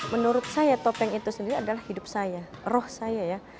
menurut saya topeng itu sendiri adalah hidup saya roh saya ya